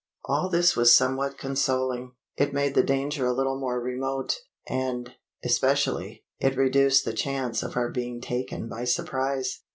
All this was somewhat consoling. It made the danger a little more remote, and, especially, it reduced the chance of our being taken by surprise.